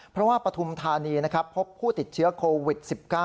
เพราะว่าปฐุมธานีนะครับพบผู้ติดเชื้อโควิด๑๙